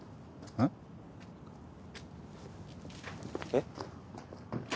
えっ？